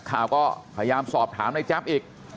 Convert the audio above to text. ลูกสาวหลายครั้งแล้วว่าไม่ได้คุยกับแจ๊บเลยลองฟังนะคะ